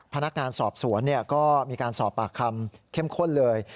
พนักงานสอบสวนก็มีการสอบปากคำเข้มข้นเลย